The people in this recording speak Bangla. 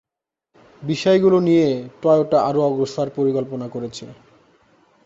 বিষয়গুলো নিয়ে টয়োটা আরো অগ্রসর পরিকল্পনা করেছে।